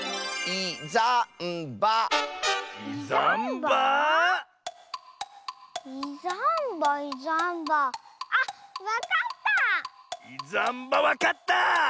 いざんばわかった！